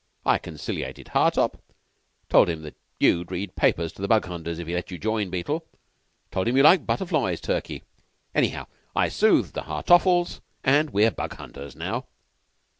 I conciliated Hartopp. 'Told him that you'd read papers to the Bug hunters if he'd let you join, Beetle. 'Told him you liked butterflies, Turkey. Anyhow, I soothed the Hartoffles, and we're Bug hunters now."